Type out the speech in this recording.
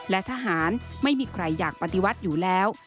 และทหารไม่มีใครอยากปฏิวัติอยู่แล้ว